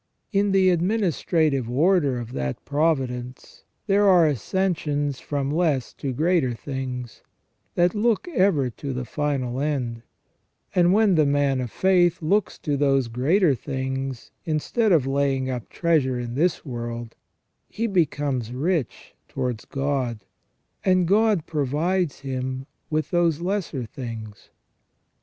In the admini strative order of that providence there are ascensions from less to greater things, that look ever to the final end ; and when the man of faith looks to those greater things instead of laying up treasure in this world, he becomes rich towards God, and God provides him with those lesser things.